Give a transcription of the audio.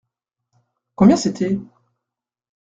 Combien c’était ?